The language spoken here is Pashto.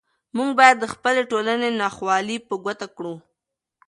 موږ باید د خپلې ټولنې ناخوالې په ګوته کړو.